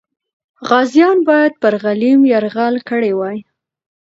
غازیان باید پر غلیم یرغل کړی وای.